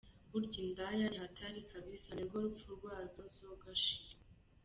burya indaya nihatari kbsa nirwo rupfu rwazo zogashyira.